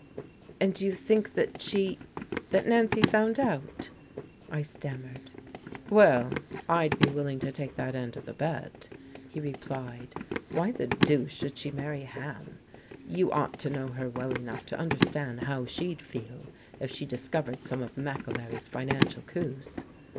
"And do you think that she that Nancy found out ?" I stammered. "Well, I'd be willing to take that end of the bet," he replied. "Why the deuce should she marry Ham? You ought to know her well enough to understand how she'd feel if she discovered some of McAlery's financial coups?